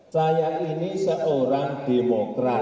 saya ini seorang demokrat